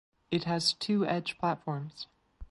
It has two edge platforms.